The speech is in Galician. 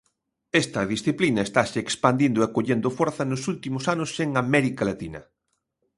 Esta disciplina estase expandindo e collendo forza nos últimos anos en América Latina.